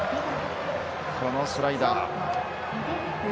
このスライダー。